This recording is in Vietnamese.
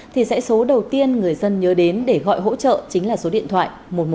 thì dãy số đầu tiên người dân nhớ đến để gọi hỗ trợ chính là số điện thoại một trăm một mươi một